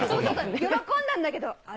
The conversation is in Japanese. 喜んだんだけど、あれ？